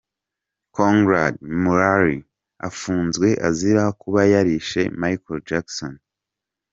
Conrad Murray afunzwe azira kuba yarishe Michael Jackson.